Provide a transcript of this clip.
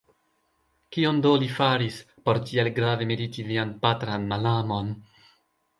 Kion do li faris, por tiel grave meriti vian patran malamon?